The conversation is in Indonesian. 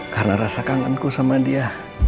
karena rasa kanganku sama dia